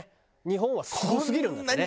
日本はすごすぎるんだってね。